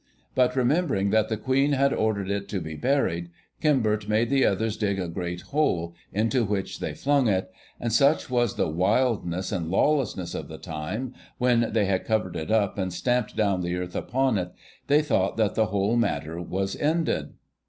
But remembering that the Queen had ordered it to be buried, Cymbert made the others dig a great hole, into which they flung it, and, such was the wildness and lawlessness of the time, when they had covered it up, and stamped down the earth upon it, they thought that the whole matter was ended.